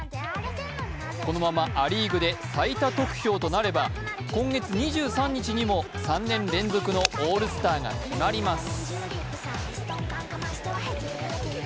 このままア・リーグで最多得票となれば、今月２３日にも３年連続のオールスターが決まります。